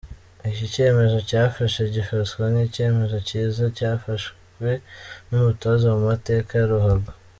Iki cyemezo yafashe gifatwa nk’icyemezo cyiza cyafashwe n’umutoza mu mateka ya ruhago.